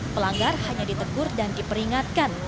pelanggar hanya ditegur dan diperingatkan